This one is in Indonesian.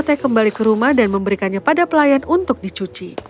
mereka kembali ke rumah dan memberikannya pada pelayan untuk dicuci